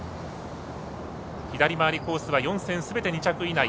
左回りコースは４戦すべて２着以内。